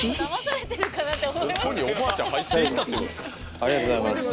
ありがとうございます。